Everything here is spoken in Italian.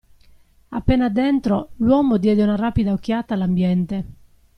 Appena dentro, l'uomo diede una rapida occhiata all'ambiente.